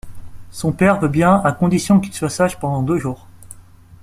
Son père veut bien à condition qu'il soit sage pendant deux jours.